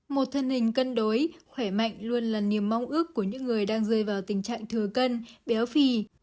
một thân hình cân đối khỏe mạnh luôn là niềm mong ước của những người đang rơi vào tình trạng thừa cân béo phì